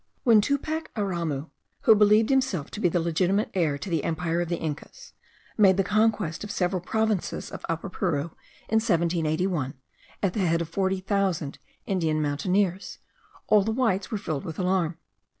When Tupac Amaru, who believed himself to be the legitimate heir to the empire of the Incas, made the conquest of several provinces of Upper Peru, in 1781, at the head of forty thousand Indian mountaineers, all the whites were filled with alarm.